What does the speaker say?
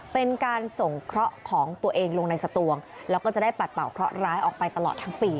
เป็นการส่งเคราะห์ของตัวเองลงในสตวงแล้วก็จะได้ปัดเป่าเคราะหร้ายออกไปตลอดทั้งปี